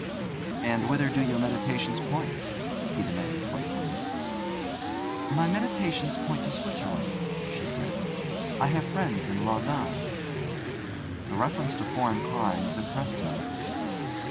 'And whither do your meditations point?' he demanded playfully. 'My meditations point to Switzerland,' she said. 'I have friends in Lausanne.' The reference to foreign climes impressed him.